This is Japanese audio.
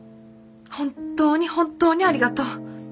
本当に本当にありがとう。